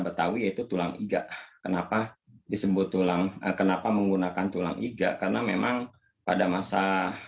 betawi yaitu tulang iga kenapa disebut tulang kenapa menggunakan tulang iga karena memang pada masa